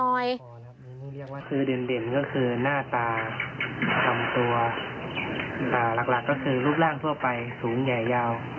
โดยเรียกว่าคือเด่นก็คือหน้าตากลำตัว